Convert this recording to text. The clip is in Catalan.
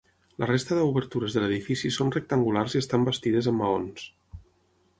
La resta d'obertures de l'edifici són rectangulars i estan bastides amb maons.